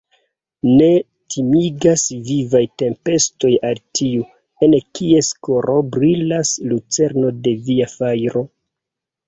Ne timigas vivaj tempestoj al tiu, en kies koro brilas lucerno de Via fajro.